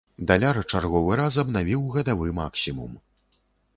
Даляр чарговы раз абнавіў гадавы максімум.